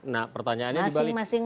nah pertanyaannya di balik masing masing